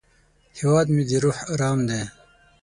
هیواد مې د روح ارام دی